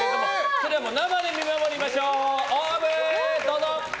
それは生で見守りましょうＯＷＶ、どうぞ！